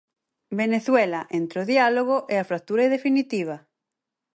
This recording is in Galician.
'Venezuela, entre o diálogo e a fractura definitiva'.